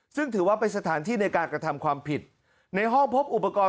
ซึ่งถือว่าเป็นสถานที่ในการกระทำความผิดในห้องพบอุปกรณ์